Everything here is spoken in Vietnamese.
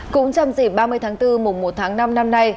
cũng chăm chỉ ba mươi tháng bốn mùa một tháng năm năm nay